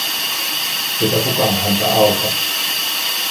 Eikä kukaan häntä auta.